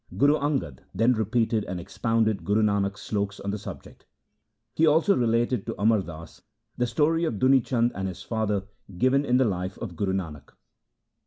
Guru Angad then repeated and expounded Guru Nanak's sloks on the subject. He also related to Amar Das the story of Duni Chand and his father, given in the Life of Guru Nanak.